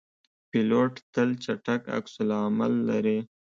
پیلوټ تل چټک عکس العمل لري.